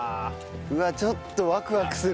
うわっちょっとワクワクする。